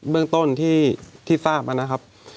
เรื่องต้นที่ทราบมานะครับ